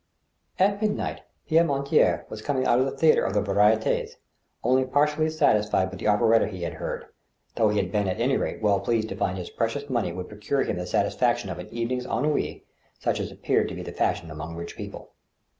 At midnight Rerre Mortier was coming out of the theatre of the VarsitSs, only partially satisfied with the operetta he had heard, though he had been at any rate well pleased to find his precious A MIDNIGHT SUPPER. 23 money would procure him the satisfaction of an evening's ennui such as appeared to be the fashion among rich people.